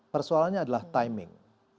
persoalannya adalah timing